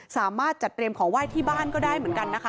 สามารถจัดเตรียมของไหว้ที่บ้านก็ได้เหมือนกันนะคะ